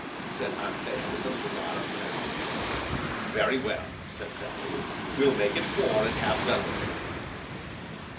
said Anthea with a little nod of finality. "Very well," said Bellew, "we'll make it four, and have done with it."